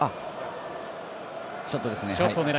ショットですね。